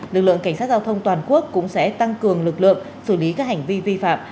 lực lượng cảnh sát giao thông toàn quốc cũng sẽ tăng cường lực lượng xử lý các hành vi vi phạm